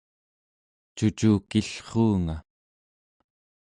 cucukillruunga